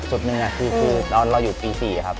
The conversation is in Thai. จุดหนึ่งคือเราอยู่ตี๔ครับ